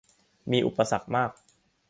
มีอุปสรรคมาก